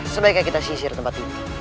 sebaiknya kita sisir tempat ini